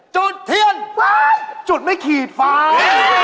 จุดเทียนฟ้ายยยยยยยยยยยยยยยยยยย